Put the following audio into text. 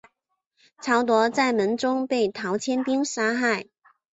曹德在门中被陶谦兵杀害。